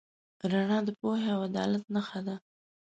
رڼا د پوهې او عدالت نښه ده.